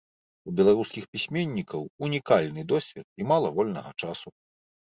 У беларускіх пісьменнікаў унікальны досвед і мала вольнага часу.